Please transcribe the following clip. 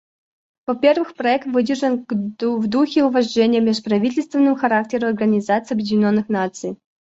Во-первых, проект выдержан в духе уважения к межправительственному характеру Организации Объединенных Наций.